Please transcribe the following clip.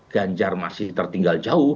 ganjar masih tertinggal jauh